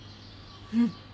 うん。